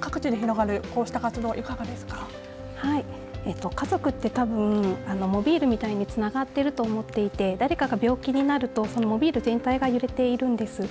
各地で広がるこうした活動家族ってたぶんモビールみたいにつながっていると思っていて誰かが病気になるとそのモービル全体が揺れているんです。